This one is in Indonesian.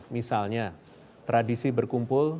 misalnya tradisi berkumpul